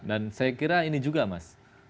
dan saya kira ini juga mas